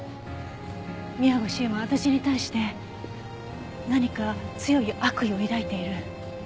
宮越優真は私に対して何か強い悪意を抱いている。